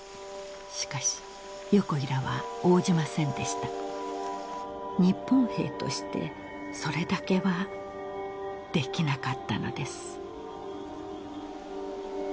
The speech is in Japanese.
しかし横井らは応じませんでした日本兵としてそれだけはできなかったのです